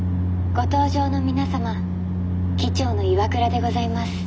「ご搭乗の皆様機長の岩倉でございます。